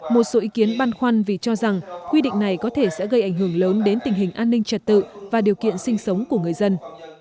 một số ý kiến băn khoăn vì cho rằng quy định này có thể sẽ gây ảnh hưởng lớn đến tình hình an ninh trật tự và điều kiện sinh sống của người dân